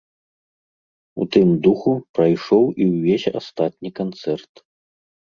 У тым духу прайшоў і ўвесь астатні канцэрт.